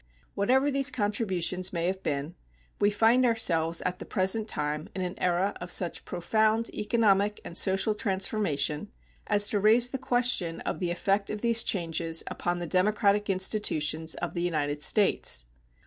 Whatever these contributions may have been, we find ourselves at the present time in an era of such profound economic and social transformation as to raise the question of the effect of these changes upon the democratic institutions of the United States.